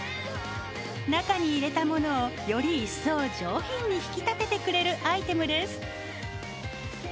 中に入れたものをより一層上品に引き立ててくれるアイテムです。